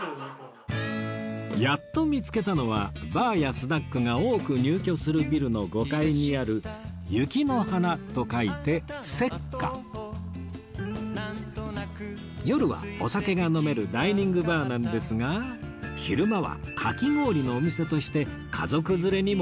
やっと見つけたのはバーやスナックが多く入居するビルの５階にある雪の華と書いて夜はお酒が飲めるダイニングバーなんですが昼間はかき氷のお店として家族連れにも人気なんです